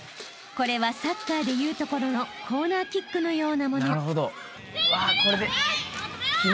［これはサッカーでいうところのコーナーキックのようなもの］